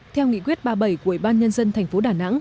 theo nghị quyết ba mươi bảy của ủy ban nhân dân tp đà nẵng